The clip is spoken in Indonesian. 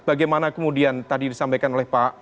bagaimana kemudian tadi disampaikan oleh pak